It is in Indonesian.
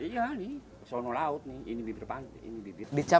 iya nih sono laut nih ini bibir pantai